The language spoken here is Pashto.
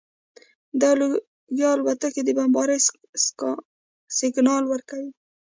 دا لوګي الوتکو ته د بمبارۍ سګنال ورکړ